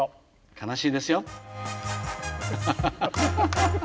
悲しいですよ。